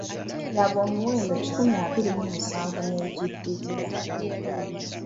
Laba omuwendo kikumi abiri mu musanvu n'egiddirira.